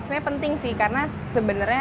saya penting sih karena sebenarnya